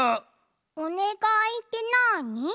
おねがいってなに？